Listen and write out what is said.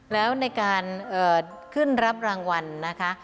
แล้วในการขึ้นรับรางวัลนะคะ